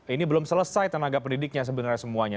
ini belum selesai tenaga pendidiknya sebenarnya semuanya